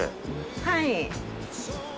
はい。